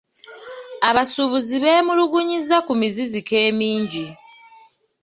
Abasuubuzi beemulugunyizza ku miziziko emingi.